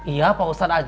iya pak ustadz aja